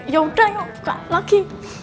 ya udah yuk buka lagi